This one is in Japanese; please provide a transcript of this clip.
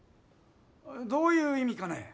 どういう意味かね？